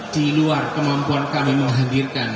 di luar kemampuan kami menghadirkan